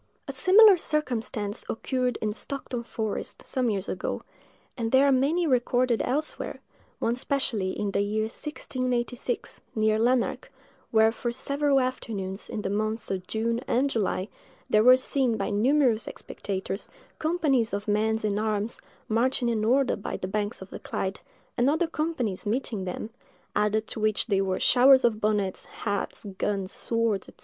A similar circumstance occurred in Stockton forest, some years ago; and there are many recorded elsewhere—one especially, in the year 1686, near Lanark, where, for several afternoons, in the months of June and July, there were seen, by numerous spectators, companies of men in arms, marching in order by the banks of the Clyde, and other companies meeting them, &c., &c. added to which there were showers of bonnets, hats, guns, swords, &c.